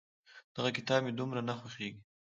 دغه کتاب مې دومره نه خوښېږي.